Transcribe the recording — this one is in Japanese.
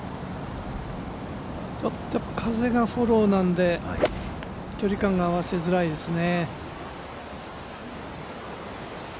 ちょっと風がフォローなので距離感が合わせづらいですね。